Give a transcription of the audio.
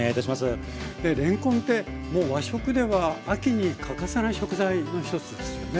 でれんこんってもう和食では秋に欠かせない食材の一つですよね。